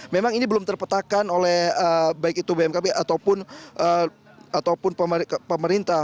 memang ini belum terpetakan oleh baik itu bmkg ataupun pemerintah